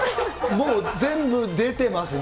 もう全部出てますね。